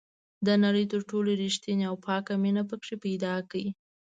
د نړۍ تر ټولو ریښتینې او پاکه مینه پکې پیدا کړئ.